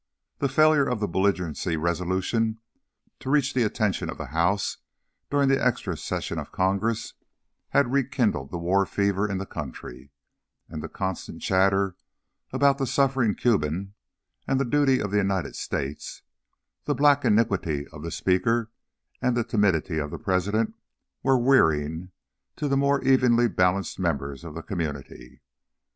The failure of the belligerency resolutions to reach the attention of the House during the Extra Session of Congress had rekindled the war fever in the country; and the constant chatter about the suffering Cuban and the duty of the United States, the black iniquity of the Speaker and the timidity of the President, were wearying to the more evenly balanced members of the community.